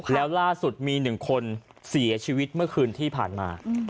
แล้วล่าสุดมี๑คนเสียชีวิตเมื่อคืนที่ผ่านมา